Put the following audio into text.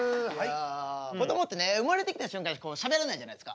こどもってね生まれてきた瞬間しゃべらないじゃないですか。